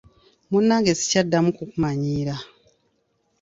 Munnange sikyaddamu kukumanyiira.